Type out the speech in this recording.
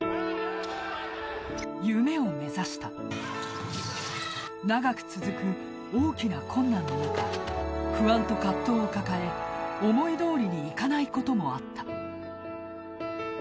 夢を目指した長く続く大きな困難の中不安と葛藤を抱え思いどおりにいかないこともあった。